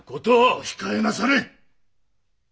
お控えなされ！